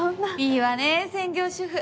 いいわね専業主婦。